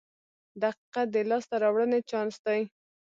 • دقیقه د لاسته راوړنې چانس دی.